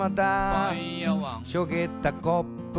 「しょげたコップに」